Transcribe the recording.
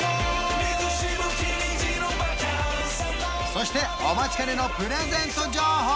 そしてお待ちかねのプレゼント情報！